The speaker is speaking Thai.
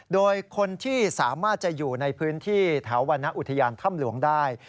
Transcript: โดยคนที่สามารถจะอยู่ในพื้นที่แถววรรณอุทยานถ้ำหลวงได้